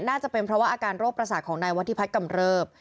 น่าจะเป็นเพราะว่าอาการโรคประสาทของนายวัฒิพัฒน์กำเริบ